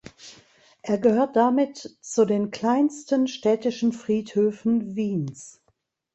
Er gehört damit zu den kleinsten städtischen Friedhöfen Wiens.